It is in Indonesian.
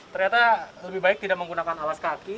ternyata lebih baik tidak menggunakan alas kaki